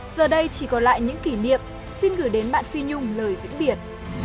giờ đây chỉ còn lại những kỷ niệm xin gửi đến bạn phi nhung lời vĩnh biệt